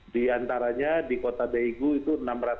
di antaranya di kota daegu itu enam ratus tujuh puluh tujuh